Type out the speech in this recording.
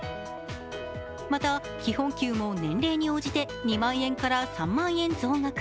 また、基本給も年齢に応じて２万円から３万円増額。